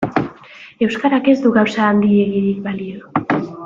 Euskarak ez du gauza handiegirik balio.